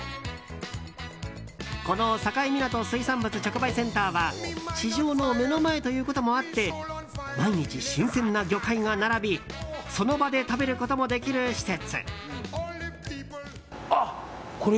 この境港水産物直売センターは市場の目の前ということもあって毎日新鮮な魚介が並びその場で食べることもできる施設。